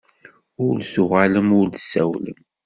Ur d-tuɣalem ur d-tsawlem.